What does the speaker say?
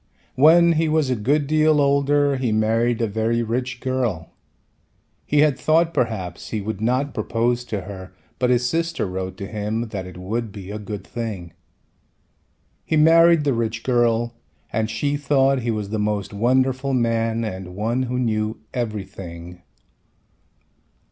When he was a good deal older he married a very rich girl. He had thought perhaps he would not propose to her but his sister wrote to him that it would be a good thing. He married the rich girl and she thought he was the most wonderful man and one who knew everything.